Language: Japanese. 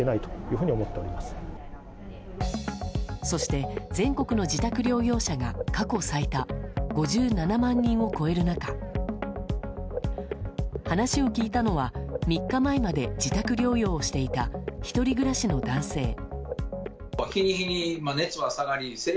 そして、全国の自宅療養者が過去最多５７万人を超える中話を聞いたのは３日前まで自宅療養していた１人暮らしの男性。